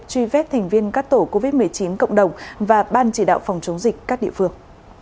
truy vết thành viên các tổ covid một mươi chín cộng đồng và ban chỉ đạo phòng chống dịch các địa phương